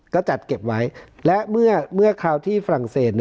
ก็จัดเก็บไว้และเมื่อคราวที่ฝรั่งเศส